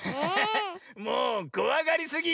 もうこわがりすぎ。